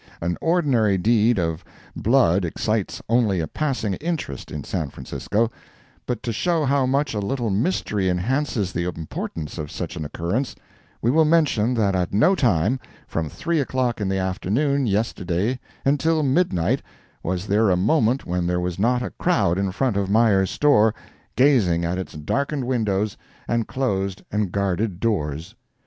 An ordinary deed of blood excites only a passing interest in San Francisco, but to show how much a little mystery enhances the importance of such an occurrence, we will mention that at no time, from three o'clock in the afternoon, yesterday, until midnight, was there a moment when there was not a crowd in front of Meyer's store, gazing at its darkened windows and closed and guarded doors.